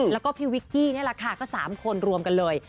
แล้วก็พี่วิกกี้นี่แหละค่ะก็๓คนรวมกันเลย